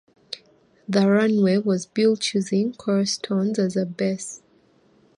The runway was built using coral stones as a base.